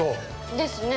◆ですね。